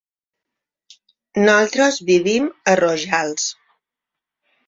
Nosaltres vivim a Rojals.